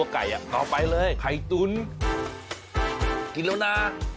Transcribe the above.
กินแล้วนะ